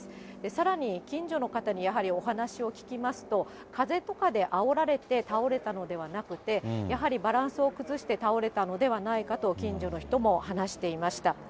さらに、近所の方にやはりお話を聞きますと、風とかであおられて倒れたのではなくて、やはりバランスを崩して倒れたのではないかと、近所の人も話していました。